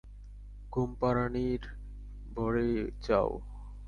ঘুমপাড়ানির বাড়ি যাও!